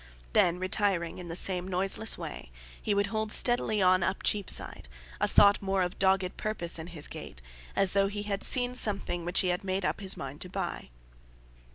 Then retiring in the same noiseless way, he would hold steadily on up Cheapside, a thought more of dogged purpose in his gait, as though he had seen something which he had made up his mind to buy.